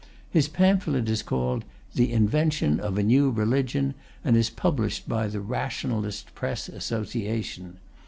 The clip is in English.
His pamphlet is called The Invention of a New Religion, and is published by the Rationalist Press Association.